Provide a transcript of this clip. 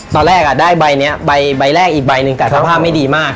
ตอนแรกได้ใบนี้ใบแรกอีกใบหนึ่งแต่สภาพไม่ดีมาก